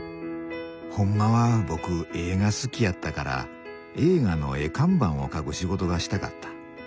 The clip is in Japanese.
ほんまは僕絵が好きやったから映画の絵看板を描く仕事がしたかった。